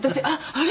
あれ？